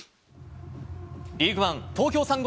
リーグワン・東京サンゴ